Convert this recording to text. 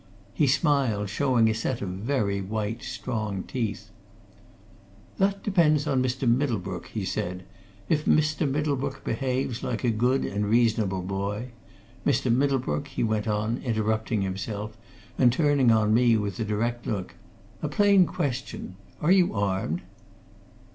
He smiled, showing a set of very white, strong teeth. "That depends on Mr. Middlebrook," he said. "If Mr. Middlebrook behaves like a good and reasonable boy Mr. Middlebrook," he went on, interrupting himself and turning on me with a direct look, "a plain question? Are you armed?"